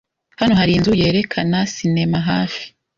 Hano hari inzu yerekana sinema hafi?